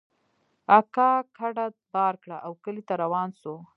اکا کډه بار کړه او کلي ته روان سو.